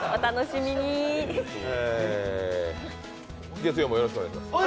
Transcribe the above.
月曜もよろしくお願いします。